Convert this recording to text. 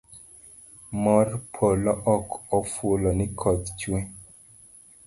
Mor polo ok ofulo ni koth chue